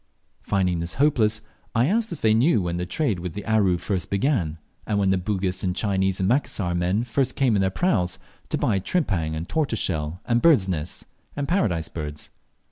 Finding this hopeless, I asked if they knew when the trade with Aru first began, when the Bugis and Chinese and Macassar men first came in their praus to buy tripang and tortoise shell, and birds' nests, and Paradise birds?